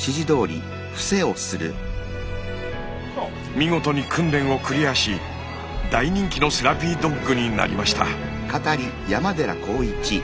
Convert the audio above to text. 見事に訓練をクリアし大人気のセラピードッグになりました。